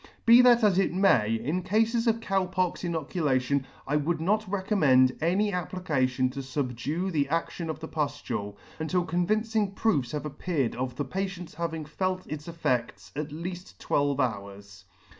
Be that as it may, in Cafes of Cow pox inoculation, I would not recommend any application to fubdue the adtion.of the puftule, until convincing proofs had appeared of the patient's having felt its effects at leaf!: twelve hours.